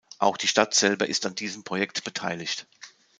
Auch die Stadt selber ist an diesem Projekt beteiligt.